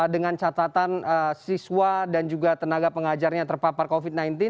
dengan catatan siswa dan juga tenaga pengajarnya terpapar covid sembilan belas